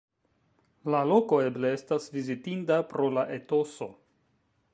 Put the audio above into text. La loko eble estas vizitinda pro la etoso.